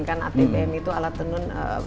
kan atbm itu alat tenun